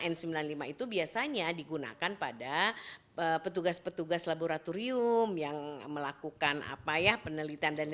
n sembilan puluh lima itu biasanya digunakan pada petugas petugas laboratorium yang melakukan apa ya penelitian dan